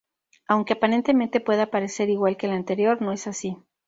Aunque aparentemente pueda parecer igual que el anterior, no es así.